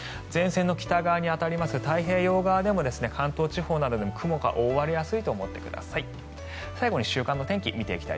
前線の北側に当たります太平洋側でも関東地方などでも雲に覆われやすいと思ってください。